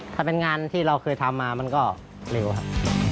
ถ้าเป็นงานที่เราเคยทำมามันก็เร็วครับ